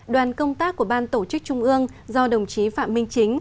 đoàn công tác của ban tổ chức trung ương do đồng chí phạm minh chính